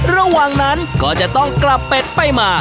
ระหว่างนั้นก็จะต้องกลับเป็ดไปมา